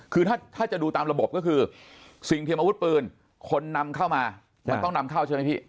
คือถ้าจะดูตามระบบก็คือสิ่งเทียมอาวุธปืนคนนำเข้ามามันต้องนำเข้าใช่ไหมพี่